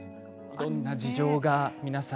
どんな事情が皆さん。